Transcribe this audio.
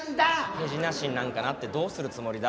手品師になんかなってどうするつもりだ？